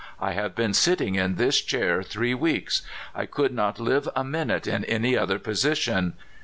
I have been sitting in this chair three weeks. I could not live a minute in any other position.